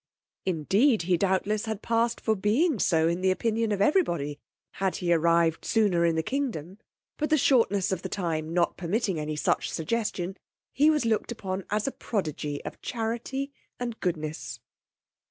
Indeed he doubtless had passed for being so in the opinion of every body, had he arrived sooner in the kingdom; but the shortness of the time not permitting any such suggestion, he was looked upon as a prodigy of charity and goodness.